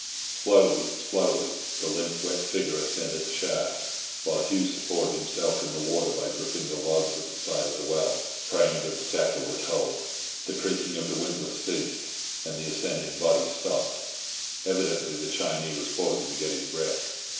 Slowly, slowly, the limp wet figure ascended the shaft, while Hugh supported himself in the water, by gripping the logs at the side of the well, praying that the tackle would hold. The creaking of the windlass ceased, and the ascending body stopped—evidently the Chinee was pausing to get his breath.